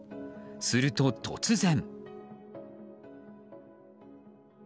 すると、突然。